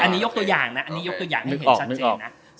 อันนี้ยกตัวอย่างนะอันนี้ยกตัวอย่างให้เห็นชัดเจนนะ